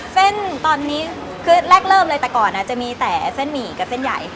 เส้นตอนนี้คือแรกเริ่มเลยแต่ก่อนจะมีแต่เส้นหมี่กับเส้นใหญ่